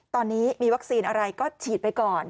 ตอนนี้มีวัคซีนอะไรก็ฉีดไปก่อน